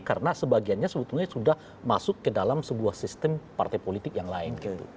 karena sebagiannya sebetulnya sudah masuk ke dalam sebuah sistem partai politik yang lain gitu